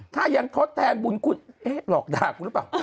ถ้ายังทดแทนบุญคุณเอ๊ะหลอกด่ากูหรือเปล่า